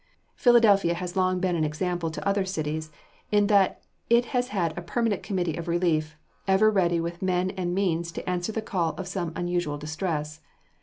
Philadelphia has long been an example to other cities, in that it has had a permanent committee of relief, ever ready with men and means to answer the call of some unusual distress.